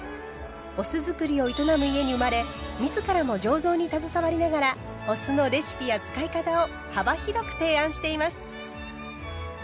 お酢造りを営む家に生まれ自らも醸造に携わりながらお酢のレシピや使い方を幅広く提案しています。